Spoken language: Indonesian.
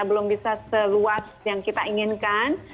belum bisa seluas yang kita inginkan